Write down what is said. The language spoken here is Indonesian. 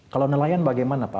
kalau nelayan bagaimana pak